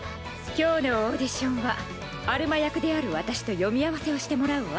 今日のオーディションはアルマ役である私と読み合わせをしてもらうわ。